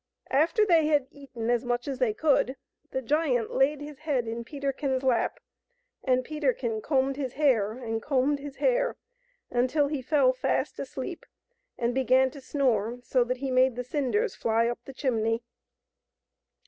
After they had eaten as much as they could the giant laid his head in Peterkin's lap, and Peterkin combed his hair and combed his hair, until he fell fast asleep and began to snore so that he made the cinders fly up the chimney.